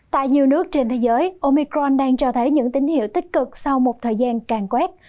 tại nhiều nước trên thế giới omicron đang cho thấy những tín hiệu tích cực sau một thời gian càng quét